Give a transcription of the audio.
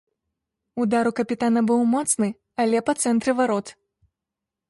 Удар у капітана быў моцны, але па цэнтры варот.